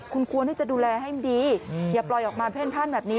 คุณควรที่จะดูแลให้มันดีอย่าปล่อยออกมาเพ่นพ่านแบบนี้